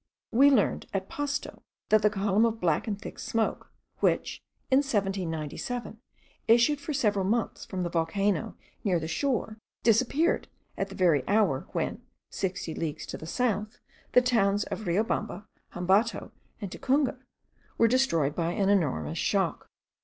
We learned, at Pasto, that the column of black and thick smoke, which, in 1797, issued for several months from the volcano near that shore, disappeared at the very hour, when, sixty leagues to the south, the towns of Riobamba, Hambato, and Tacunga were destroyed by an enormous shock.